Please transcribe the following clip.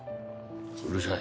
うるさい。